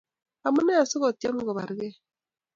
Amunee sikotiem kobargei?